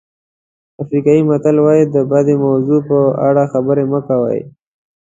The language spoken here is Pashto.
افریقایي متل وایي د بدې موضوع په اړه خبرې مه کوئ.